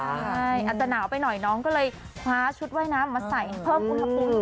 ใช่อาจจะหนาวไปหน่อยน้องก็เลยคว้าชุดว่ายน้ำมาใส่เพิ่มอุณหภูมิ